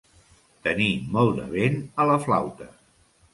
Tenir molt de vent a la flauta.